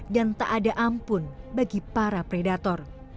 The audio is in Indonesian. dan tak ada ampun bagi para predator